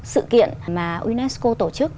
sự kiện mà unesco tổ chức